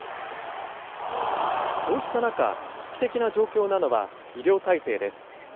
こうした中、危機的な状況なのは医療体制です。